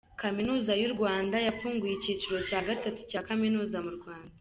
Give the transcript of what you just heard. Kaminuza y’Urwanda yafunguye ikiciro cya gatatu cya kaminuza mu Rwanda